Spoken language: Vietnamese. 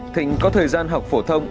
thịnh có thời gian học phổ thông